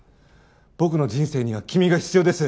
僕の人生には君が必要です。